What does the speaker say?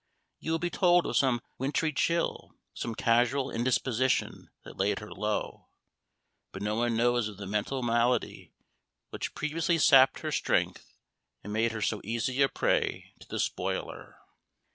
You will be told of some wintry chill, some casual indisposition, that laid her low; but no one knows of the mental malady which previously sapped her strength, and made her so easy a prey to the spoiler.